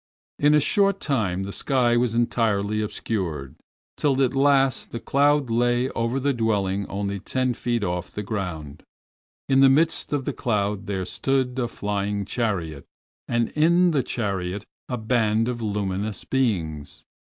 In a short time the sky was entirely obscured, till at last the cloud lay over the dwelling only ten feet off the ground. In the midst of the cloud there stood a flying chariot, and in the chariot a band of luminous beings.